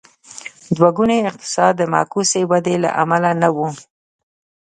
دوه ګونی اقتصاد د معکوسې ودې له امله نه و.